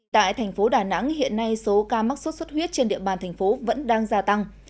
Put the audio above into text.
tại thành phố đà nẵng hiện nay số ca mắc sốt xuất huyết trên địa bàn thành phố vẫn đang gia tăng